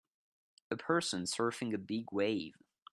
A person surfing a big wave